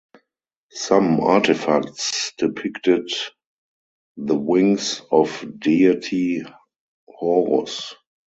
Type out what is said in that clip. Some artefacts depicted the wings of deity Horus.